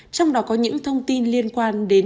trong đó có những thông tin liên quan đến